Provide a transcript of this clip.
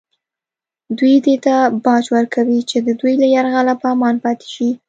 دوی دې ته باج ورکوي چې د دوی له یرغله په امان پاتې شي